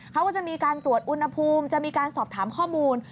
เขาก็จะมีการตรวจอุณหภูมิจะมีการสอบถามข้อมูล